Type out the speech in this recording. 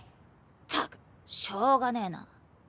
ったくしょうがねえな。